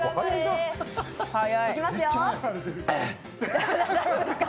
いきますよ。